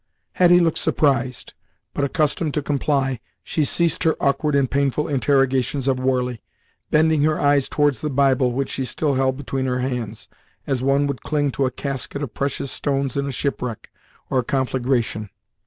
Hetty looked surprised, but accustomed to comply, she ceased her awkward and painful interrogations of Warley, bending her eyes towards the Bible which she still held between her hands, as one would cling to a casket of precious stones in a shipwreck, or a conflagration.